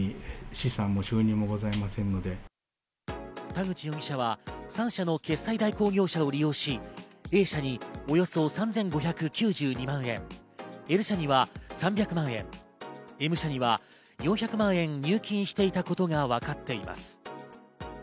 田口容疑者は３社の決済代行業者を利用し、Ａ社におよそ３５９２万円、Ｌ社には３００万円、Ｍ社には４００万円入金していたことがわかっています。